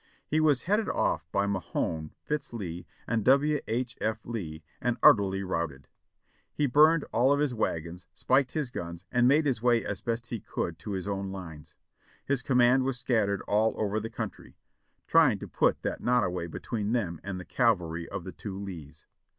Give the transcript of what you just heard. He was headed off by Mahone, Fitz Lee, and W. H. F. Lee, and utterly routed. He burned all of his wagons, spiked his guns and made his way as best he could to his own lines. His command was scattered all over the country, trying to put the Nottaway between them and the cavalry of the two Lees.